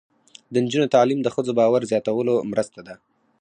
د نجونو تعلیم د ښځو باور زیاتولو مرسته ده.